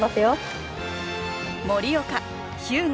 盛岡日向